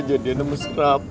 jadinya nama scrap